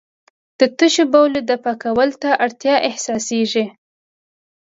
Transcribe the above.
د تشو بولو دفع کولو ته اړتیا احساسېږي.